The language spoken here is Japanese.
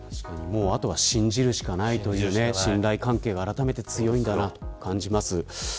あとは信じるしかないというね信頼関係があらためて強いんだなと感じます。